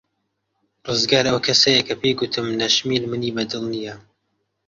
ڕزگار ئەو کەسەیە کە پێی گوتم نەشمیل منی بەدڵ نییە.